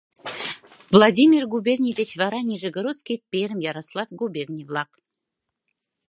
Владимир губерний деч вара — Нижегородский, Пермь, Ярослав губерний-влак.